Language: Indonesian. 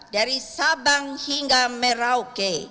dari sabang hingga merauke